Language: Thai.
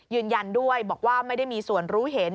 ยืนยันด้วยบอกว่าไม่ได้มีส่วนรู้เห็น